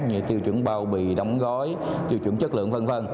như tiêu chuẩn bao bì đóng gói tiêu chuẩn chất lượng v v